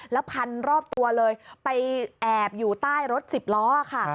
แล้วพันรอบตัวเลยไปแอบอยู่ใต้รถสิบล้อค่ะ